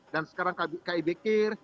dan sekarang kib kir